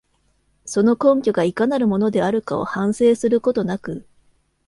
その根拠がいかなるものであるかを反省することなく、